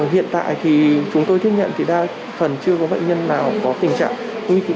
hiện tại thì chúng tôi thích nhận thì đa phần chưa có bệnh nhân nào có tình trạng